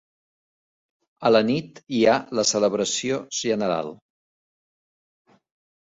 A la nit hi ha la celebració general.